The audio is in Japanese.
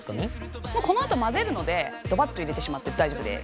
このあと混ぜるのでドバっと入れてしまって大丈夫です。